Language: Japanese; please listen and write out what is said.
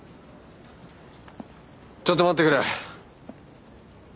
ちょっと待ってくれ！